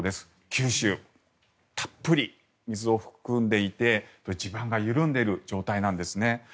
九州、たっぷり水を含んでいて地盤が緩んでいる状態なんですね。